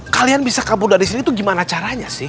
kalian bisa kabur dari sini itu gimana caranya sih